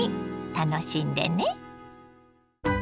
楽しんでね。